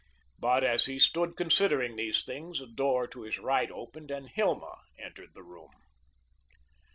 But as he stood considering these things a door to his right opened and Hilma entered the room.